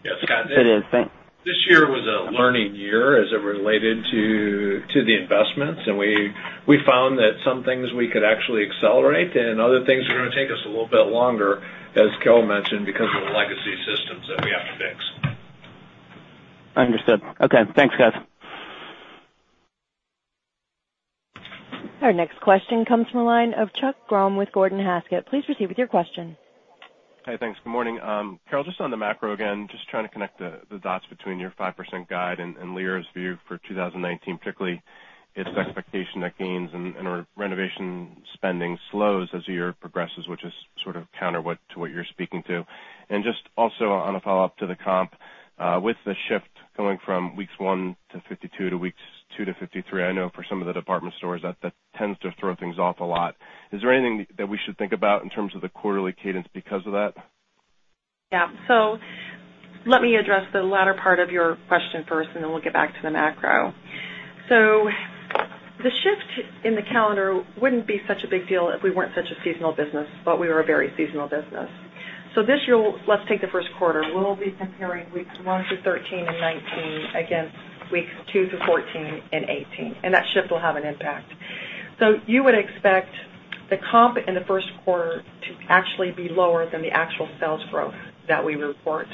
H: Yes. It is. Thanks.
C: This year was a learning year as it related to the investments, and we found that some things we could actually accelerate and other things are going to take us a little bit longer, as Carol mentioned, because of the legacy systems that we have to fix.
H: Understood. Okay. Thanks, guys.
A: Our next question comes from the line of Chuck Grom with Gordon Haskett. Please proceed with your question.
I: Hi. Thanks. Good morning. Carol, just on the macro again, just trying to connect the dots between your 5% guide and LIRA's view for 2019, particularly its expectation that gains and renovation spending slows as the year progresses, which is sort of counter to what you're speaking to. Just also on a follow-up to the comp, with the shift going from weeks one to 52 to weeks two to 53, I know for some of the department stores, that tends to throw things off a lot. Is there anything that we should think about in terms of the quarterly cadence because of that?
E: Yeah. Let me address the latter part of your question first, and then we'll get back to the macro. The shift in the calendar wouldn't be such a big deal if we weren't such a seasonal business. We are a very seasonal business. This year, let's take the first quarter. We'll be comparing weeks one through 13 in 2019 against weeks two through 14 in 2018, and that shift will have an impact. You would expect the comp in the first quarter to actually be lower than the actual sales growth that we report.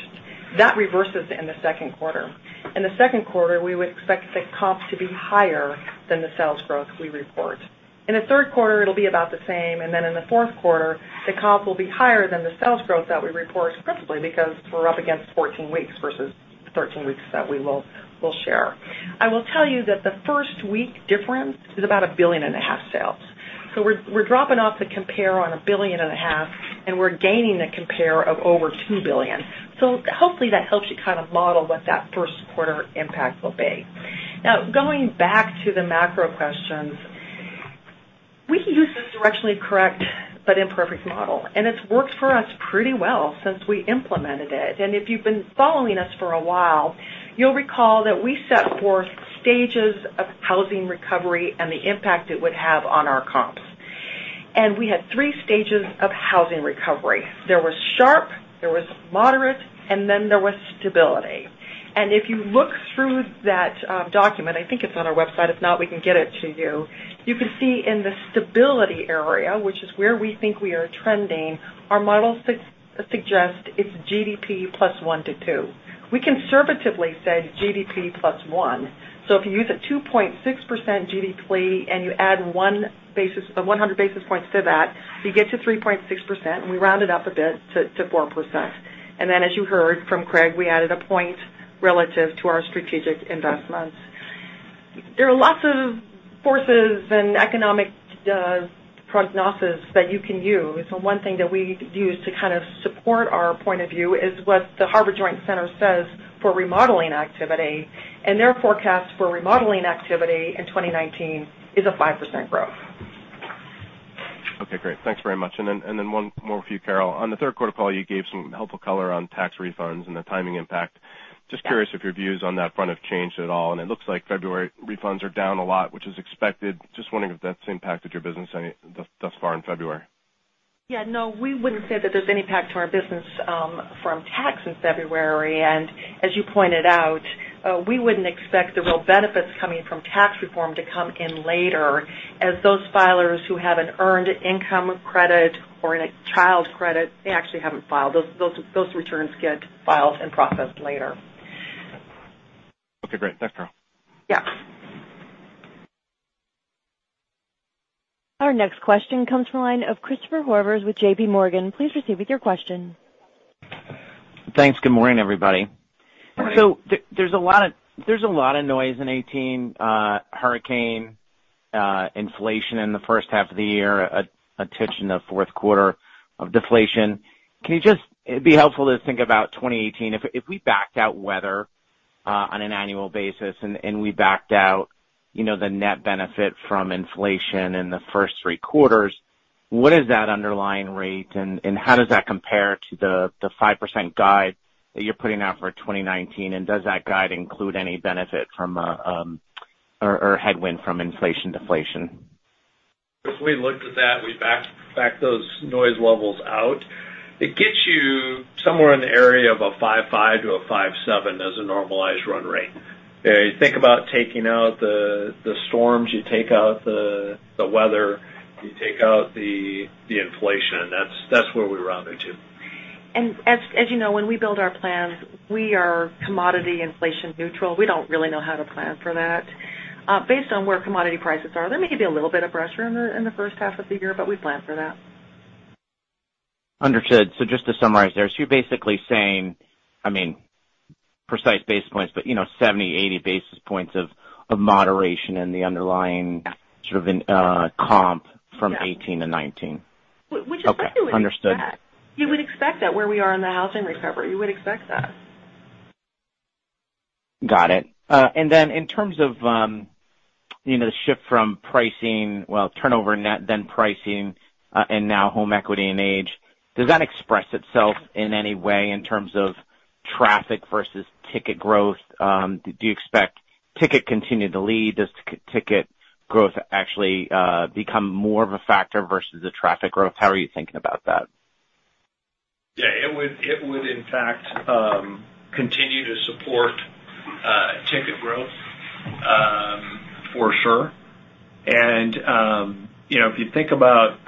E: That reverses in the second quarter. In the second quarter, we would expect the comp to be higher than the sales growth we report. In the third quarter, it'll be about the same. In the fourth quarter, the comp will be higher than the sales growth that we report, principally because we're up against 14 weeks versus 13 weeks that we'll share. I will tell you that the first week difference is about a billion and a half sales. We're dropping off the compare on a billion and a half, and we're gaining the compare of over $2 billion. Hopefully that helps you kind of model what that first quarter impact will be. Going back to the macro questions, we use this directionally correct but imperfect model, and it's worked for us pretty well since we implemented it. If you've been following us for a while, you'll recall that we set forth stages of housing recovery and the impact it would have on our comps. We had 3 stages of housing recovery. There was sharp, there was moderate, there was stability. If you look through that document, I think it's on our website. If not, we can get it to you. You can see in the stability area, which is where we think we are trending, our models suggest it's GDP plus 1 to 2. We conservatively said GDP plus 1. If you use a 2.6% GDP and you add 100 basis points to that, you get to 3.6%, and we rounded up a bit to 4%. As you heard from Craig, we added a point relative to our strategic investments. There are lots of forces and economic prognoses that you can use, and one thing that we use to kind of support our point of view is what the Harvard Joint Center says for remodeling activity. Their forecast for remodeling activity in 2019 is a 5% growth.
I: Okay, great. Thanks very much. One more for you, Carol. On the third quarter call, you gave some helpful color on tax refunds and the timing impact.
E: Yeah.
I: Just curious if your views on that front have changed at all. It looks like February refunds are down a lot, which is expected. Just wondering if that has impacted your business thus far in February.
E: Yeah, no, we wouldn't say that there's any impact to our business from tax in February. As you pointed out, we wouldn't expect the real benefits coming from tax reform to come in later as those filers who have an earned income credit or a child credit, they actually haven't filed. Those returns get filed and processed later.
I: Okay, great. Thanks, Carol.
E: Yeah.
A: Our next question comes from the line of Christopher Horvers with JPMorgan. Please proceed with your question.
J: Thanks. Good morning, everybody.
E: Good morning.
J: There's a lot of noise in 2018, hurricane, inflation in the first half of the year, a touch in the fourth quarter of deflation. It'd be helpful to think about 2018. If we backed out weather on an annual basis and we backed out the net benefit from inflation in the first three quarters, what is that underlying rate, and how does that compare to the 5% guide that you're putting out for 2019? Does that guide include any benefit from or headwind from inflation deflation?
C: If we looked at that, we back those noise levels out. It gets you somewhere in the area of a 5.5%-5.7% as a normalized run rate. You think about taking out the storms, you take out the weather, you take out the inflation. That's where we round it to.
E: As you know, when we build our plans, we are commodity inflation neutral. We don't really know how to plan for that. Based on where commodity prices are, there may be a little bit of pressure in the first half of the year, but we plan for that.
J: Understood. Just to summarize there, so you're basically saying, precise basis points, but 70, 80 basis points of moderation in the underlying-
E: Yes
J: sort of in comp-
E: Yes
J: from 2018 to 2019.
E: Which is what you would expect.
J: Okay. Understood.
E: You would expect that. Where we are in the housing recovery, you would expect that.
J: Got it. Then in terms of the shift from pricing, well, turnover net, then pricing, and now home equity and age, does that express itself in any way in terms of traffic versus ticket growth? Do you expect ticket continue to lead? Does ticket growth actually become more of a factor versus the traffic growth? How are you thinking about that?
C: Yeah. It would in fact, continue to support ticket growth for sure. If you think about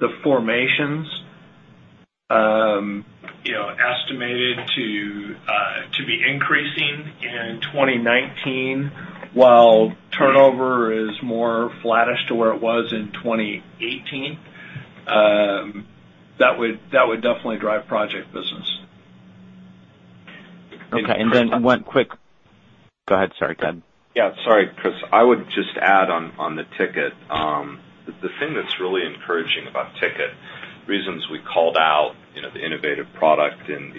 C: the formations estimated to be increasing in 2019, while turnover is more flattish to where it was in 2018, that would definitely drive project business.
J: Okay. Go ahead. Sorry, Ted.
D: Yeah, sorry, Chris. I would just add on the ticket. The thing that's really encouraging about ticket, reasons we called out the innovative product and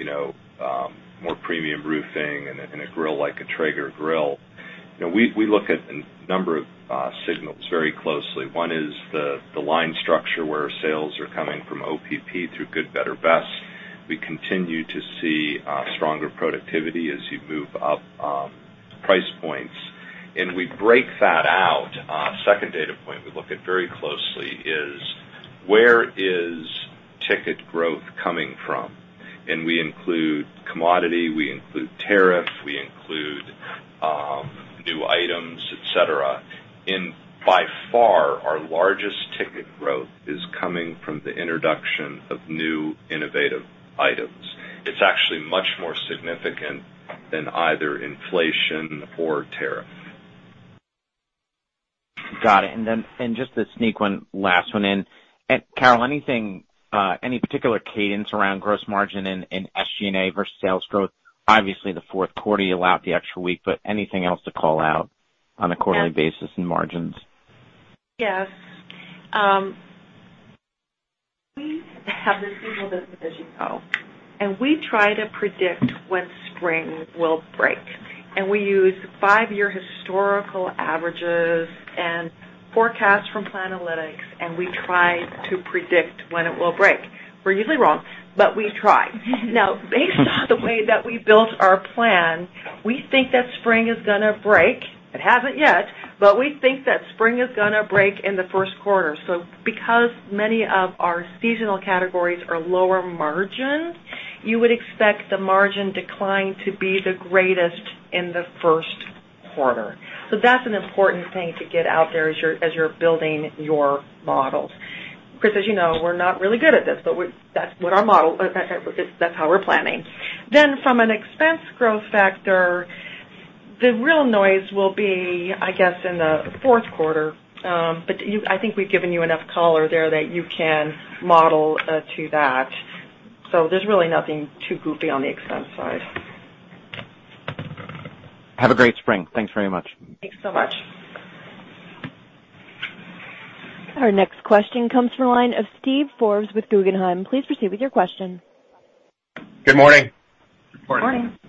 D: more premium roofing and a grill like a Traeger grill. We look at a number of signals very closely. One is the line structure where sales are coming from OPP through good, better, best. We continue to see stronger productivity as you move up price points. We break that out. Second data point we look at very closely is where is ticket growth coming from? We include commodity, we include tariff, we include new items, et cetera. By far, our largest ticket growth is coming from the introduction of new innovative items. It's actually much more significant than either inflation or tariff.
J: Got it. Just to sneak one last one in. Carol, any particular cadence around gross margin in SG&A versus sales growth? Obviously, the fourth quarter, you allowed the extra week, but anything else to call out on a quarterly basis in margins?
E: Yes. We have the seasonal business, as you know, and we try to predict when spring will break, and we use five-year historical averages and forecasts from Planalytics, and we try to predict when it will break. We're usually wrong, but we try. Based on the way that we built our plan, we think that spring is going to break. It hasn't yet, but we think that spring is going to break in the first quarter. Because many of our seasonal categories are lower margin, you would expect the margin decline to be the greatest in the first quarter. That's an important thing to get out there as you're building your models. Chris, as you know, we're not really good at this, but that's how we're planning. From an expense growth factor, the real noise will be, I guess, in the fourth quarter. I think we've given you enough color there that you can model to that. There's really nothing too goofy on the expense side.
J: Have a great spring. Thanks very much.
E: Thanks so much.
A: Our next question comes from the line of Steven Forbes with Guggenheim. Please proceed with your question.
K: Good morning.
C: Good morning.
E: Good morning.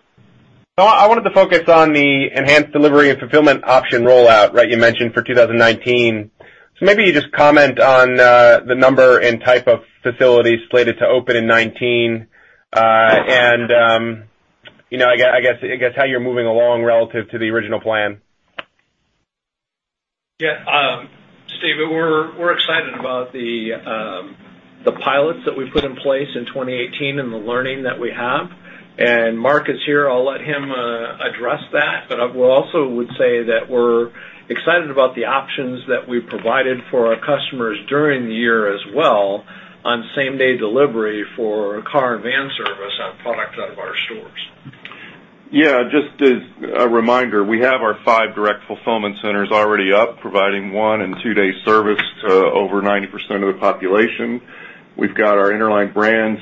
K: I wanted to focus on the enhanced delivery and fulfillment option rollout, you mentioned for 2019. Maybe you just comment on the number and type of facilities slated to open in 2019. I guess how you're moving along relative to the original plan.
C: Yeah. Steve, we're excited about the pilots that we've put in place in 2018 and the learning that we have. Mark is here, I'll let him address that. We also would say that we're excited about the options that we provided for our customers during the year as well on same-day delivery for car and van service on product out of our stores.
L: Yeah. Just as a reminder, we have our five direct fulfillment centers already up, providing one- and two-day service to over 90% of the population. We've got our Interline Brands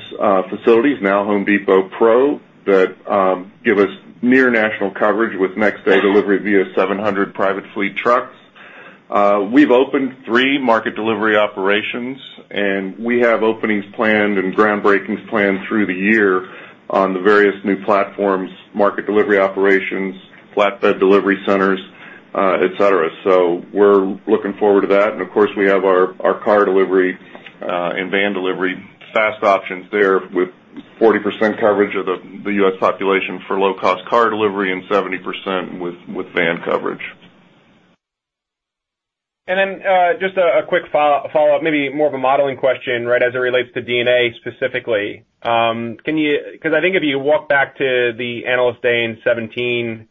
L: facilities, now Home Depot Pro, that give us near national coverage with next-day delivery via 700 private fleet trucks. We've opened three market delivery operations, we have openings planned and groundbreakings planned through the year on the various new platforms, market delivery operations, flatbed delivery centers et cetera. We're looking forward to that. Of course, we have our car delivery and van delivery fast options there with 40% coverage of the U.S. population for low-cost car delivery and 70% with van coverage.
K: Just a quick follow-up, maybe more of a modeling question, as it relates to D&A specifically. Because I think if you walk back to the Analyst Day in 2017,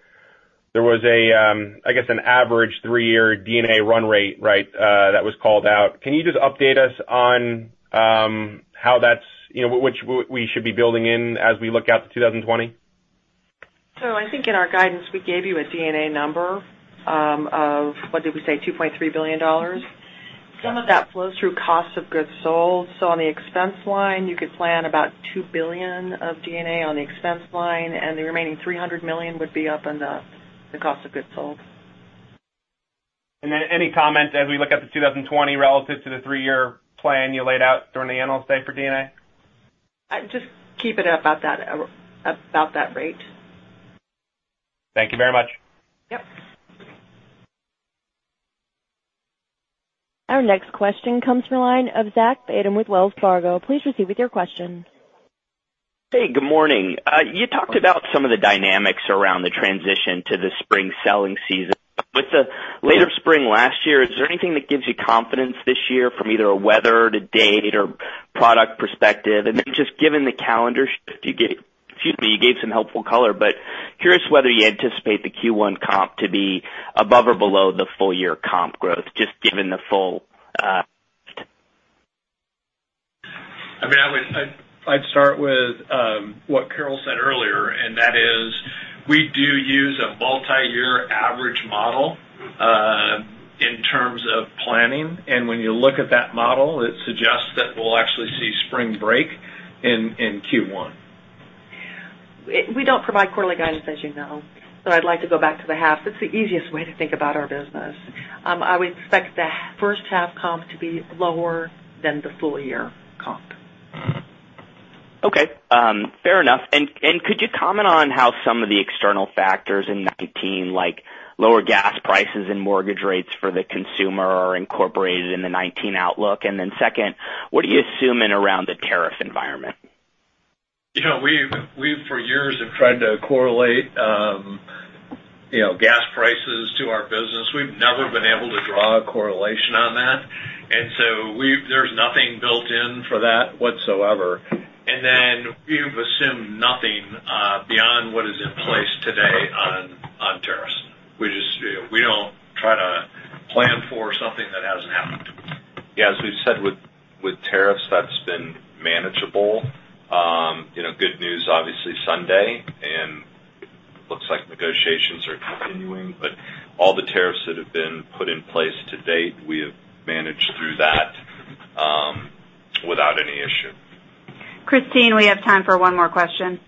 K: there was, I guess, an average three-year D&A run rate that was called out. Can you just update us on what we should be building in as we look out to 2020?
E: I think in our guidance, we gave you a D&A number of, what did we say? $2.3 billion.
K: Yeah.
E: Some of that flows through cost of goods sold. On the expense line, you could plan about $2 billion of D&A on the expense line, and the remaining $300 million would be up in the cost of goods sold.
K: Any comment as we look out to 2020 relative to the three-year plan you laid out during the Analyst Day for D&A?
E: Just keep it up about that rate.
K: Thank you very much.
E: Yep.
A: Our next question comes from the line of Zachary Fadem with Wells Fargo. Please proceed with your question.
M: Hey, good morning. You talked about some of the dynamics around the transition to the spring selling season. With the later spring last year, is there anything that gives you confidence this year from either a weather-to-date or product perspective? Just given the calendar shift you gave, excuse me, you gave some helpful color, but curious whether you anticipate the Q1 comp to be above or below the full-year comp growth.
C: I'd start with what Carol said earlier, and that is we do use a multi-year average model in terms of planning, and when you look at that model, it suggests that we'll actually see spring break in Q1.
E: We don't provide quarterly guidance, as you know, so I'd like to go back to the half. That's the easiest way to think about our business. I would expect the first half comp to be lower than the full-year comp.
M: Okay. Fair enough. Could you comment on how some of the external factors in 2019, like lower gas prices and mortgage rates for the consumer, are incorporated in the 2019 outlook? Second, what are you assuming around the tariff environment?
C: We, for years, have tried to correlate gas prices to our business. We've never been able to draw a correlation on that. There's nothing built in for that whatsoever. We've assumed nothing beyond what is in place today on tariffs. We don't try to plan for something that hasn't happened.
D: As we've said with tariffs, that's been manageable. Good news, obviously, Sunday, looks like negotiations are continuing, all the tariffs that have been put in place to date, we have managed through that without any issue.
B: Christine, we have time for one more question.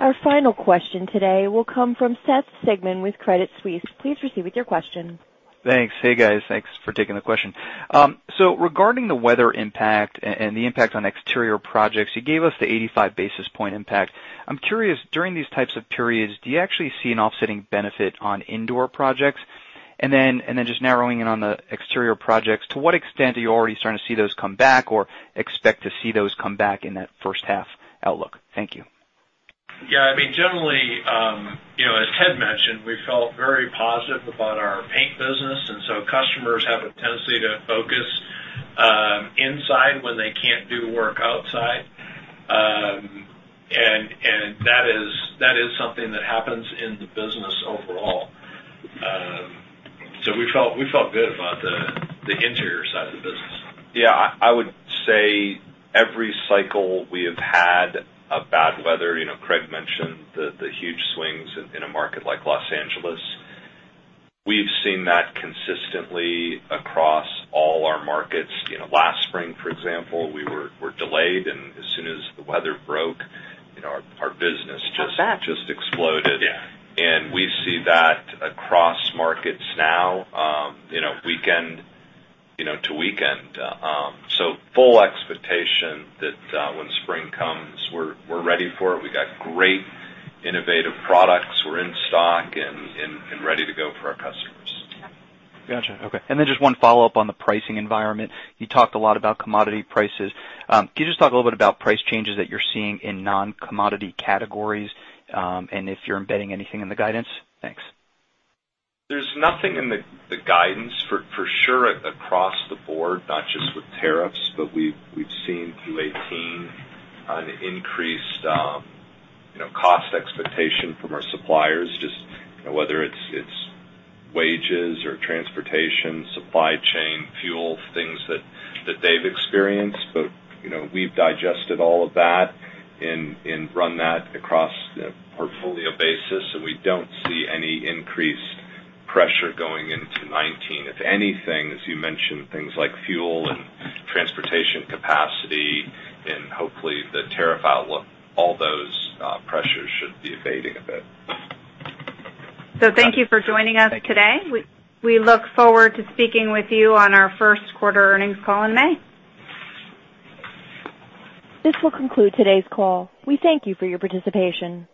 A: Our final question today will come from Seth Sigman with Credit Suisse. Please proceed with your question.
N: Thanks. Hey, guys. Thanks for taking the question. Regarding the weather impact and the impact on exterior projects, you gave us the 85 basis point impact. I'm curious, during these types of periods, do you actually see an offsetting benefit on indoor projects? Just narrowing in on the exterior projects, to what extent are you already starting to see those come back or expect to see those come back in that first half outlook? Thank you.
C: Generally, as Ted mentioned, we felt very positive about our paint business. Customers have a tendency to focus inside when they can't do work outside. That is something that happens in the business overall. We felt good about the interior side of the business.
D: I would say every cycle we have had of bad weather, Craig mentioned the huge swings in a market like Los Angeles. We've seen that consistently across all our markets. Last spring, for example, we were delayed, and as soon as the weather broke, our business just.
E: Not bad.
N: Yeah.
D: We see that across markets now, weekend to weekend. Full expectation that when spring comes, we're ready for it. We got great, innovative products. We're in stock and ready to go for our customers.
E: Yeah.
N: Got you. Okay. Just one follow-up on the pricing environment. You talked a lot about commodity prices. Can you just talk a little bit about price changes that you're seeing in non-commodity categories, and if you're embedding anything in the guidance? Thanks.
D: There's nothing in the guidance, for sure, across the board, not just with tariffs, we've seen through 2018 an increased cost expectation from our suppliers, just whether it's wages or transportation, supply chain, fuel, things that they've experienced. We've digested all of that and run that across portfolio basis, and we don't see any increased pressure going into 2019. If anything, as you mentioned, things like fuel and transportation capacity and hopefully the tariff outlook, all those pressures should be abating a bit.
B: Thank you for joining us today.
D: Thank you.
B: We look forward to speaking with you on our first quarter earnings call in May.
A: This will conclude today's call. We thank you for your participation.